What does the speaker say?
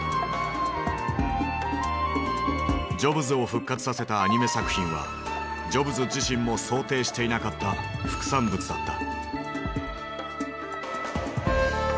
ジョブズを復活させたアニメ作品はジョブズ自身も想定していなかった副産物だった。